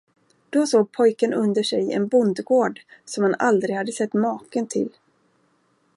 Då såg pojken under sig en bondgård, som han aldrig hade sett maken till.